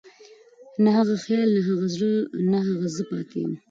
نه هغه خيال، نه هغه زړه، نه هغه زه پاتې يم